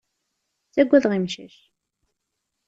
Ttagadeɣ imcac.